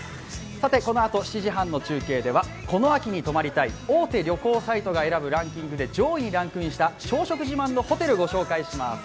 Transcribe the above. さてこのあと、７時半の中継ではこの秋に泊まりたい大手旅行サイトが選ぶランキングで上位にランクインした朝食自慢のホテル御紹介します。